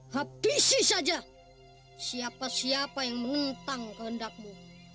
habisi saja siapa siapa yang menentang kehendakmu